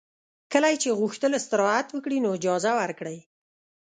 کله یې چې غوښتل استراحت وکړي نو اجازه ورکړئ